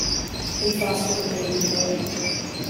We fostered a baby boy.